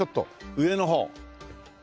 上の方。